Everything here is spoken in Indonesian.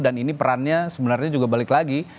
dan ini perannya sebenarnya juga balik lagi